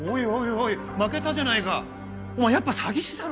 おい負けたじゃないかお前やっぱ詐欺師だろ！